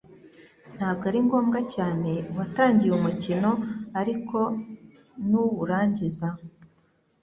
Ntabwo ari ngombwa cyane uwatangiye umukino ariko nuwurangiza.